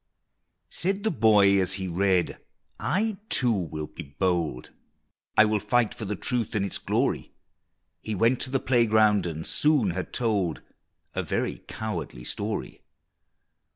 Said the boy as he read, "I too will be bold, I will fight for the truth and its glory!" He went to the playground, and soon had told A very cowardly story!